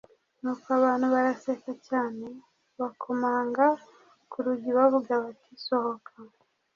Nuko abantu baraseka cyane bakomanga ku rugi bavuga bati sohoka